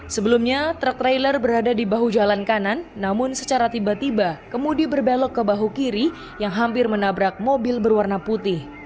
sebelumnya truk trailer berada di bahu jalan kanan namun secara tiba tiba kemudi berbelok ke bahu kiri yang hampir menabrak mobil berwarna putih